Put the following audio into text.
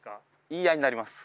言い合いになります。